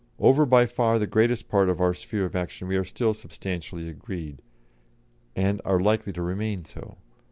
Over by far the greater part of our sphere of action we are still substantially agreed, and are likely to remain so.